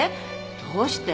どうして？